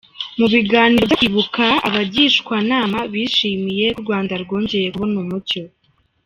Mu biganiro byo Kwibuka, abagishwanama bishimiye ko u Rwanda rwongeye kubona umucyo.